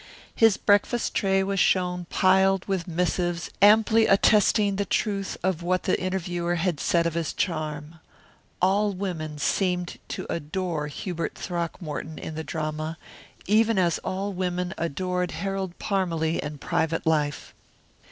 His breakfast tray was shown piled with missives amply attesting the truth of what the interviewer had said of his charm. All women seemed to adore Hubert Throckmorton in the drama, even as all women adored Harold Parmalee in private life.